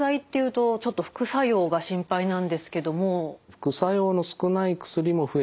副作用の少ない薬も増えてきました。